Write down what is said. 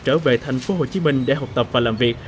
trở về thành phố hồ chí minh để học tập và làm việc